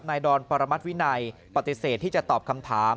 ดอนปรมัติวินัยปฏิเสธที่จะตอบคำถาม